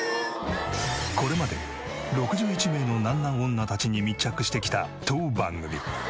これまで６１名のなんなん女たちに密着してきた当番組。